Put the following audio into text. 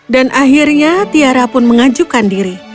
dan akhirnya tiara pun mengajukan diri